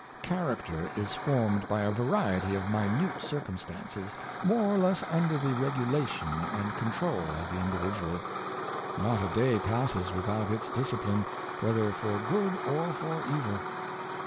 Character is formed by a variety of minute circum stances, more or less under the regulation and control of the individual. Not a day passes without its disci pline, whether for good or for evil.